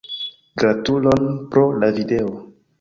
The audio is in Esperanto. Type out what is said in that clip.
Gratulon pro la video.